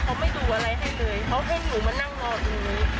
เขาไม่ดูอะไรให้เลยเขาให้หนูมานั่งรอตรงนี้